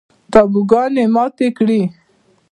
تابوگانې ماتې کړي